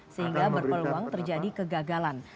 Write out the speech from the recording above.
sehingga berpeluang terjadi kegagalan